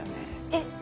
えっ！